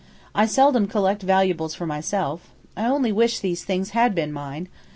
I seldom collect valuables for myself. I only wish these things had been mine.